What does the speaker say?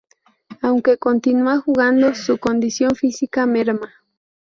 Aunque continúa jugando, su condición física merma.